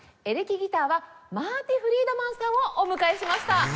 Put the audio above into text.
エレキギターはマーティ・フリードマンさんをお迎えしました。